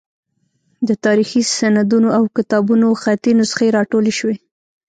د تاریخي سندونو او کتابونو خطي نسخې راټولې شوې.